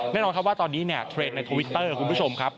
แน่นอนครับว่าตอนนี้เนี่ยเทรนด์ในทวิตเตอร์คุณผู้ชมครับ